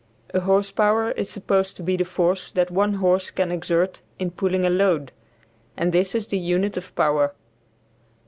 A horse power is supposed to be the force that one horse can exert in pulling a load, and this is the unit of power.